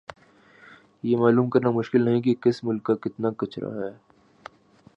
یہ معلوم کرنا مشکل نہیں کہ کس ملک کا کتنا کچرا ھے